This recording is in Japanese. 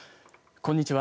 こんにちは。